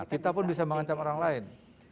kita pun bisa mengancam orang lain